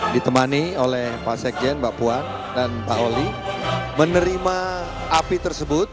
ditemani oleh pak sekjen mbak puan dan pak oli menerima api tersebut